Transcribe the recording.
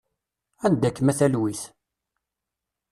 Anda-kem a talwit?